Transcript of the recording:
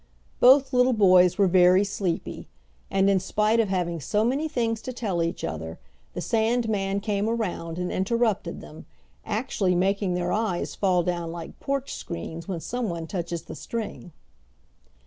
Both little boys were very sleepy, and in spite of having so many things to tell each other the sand man came around and interrupted them, actually making their eyes fall down like porch screens when someone touches the string.